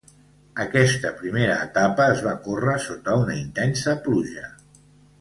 Aquesta primera etapa es va córrer sota una intensa pluja.